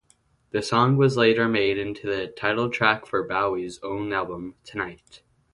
The song was later made into the title-track for Bowie's own album "Tonight".